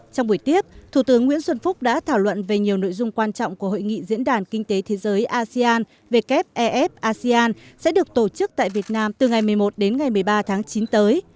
trong buổi tiếp thủ tướng nguyễn xuân phúc đã thảo luận về nhiều nội dung quan trọng của hội nghị diễn đàn kinh tế thế giới asean wef asean sẽ được tổ chức tại việt nam từ ngày một mươi một đến ngày một mươi ba tháng chín tới